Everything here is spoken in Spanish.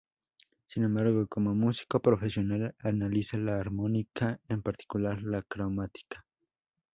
Sin embargo, como músico profesional utiliza la armónica, en particular la cromática.